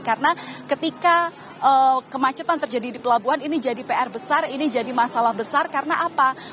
karena ketika kemacetan terjadi di pelabuhan ini jadi pr besar ini jadi masalah besar karena apa